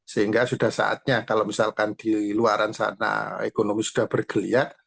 sehingga sudah saatnya kalau misalkan di luar sana ekonomi sudah bergeliat